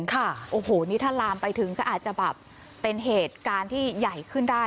ค่ะโอ้โหนี่ถ้าลามไปถึงก็อาจจะแบบเป็นเหตุการณ์ที่ใหญ่ขึ้นได้